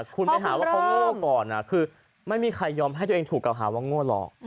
คุณไปหาว่าเขาโง่ก่อนคือไม่มีใครยอมให้ตัวเองถูกเก่าหาว่าโง่หรอก